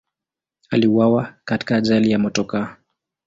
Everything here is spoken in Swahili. Aliuawa katika ajali ya motokaa.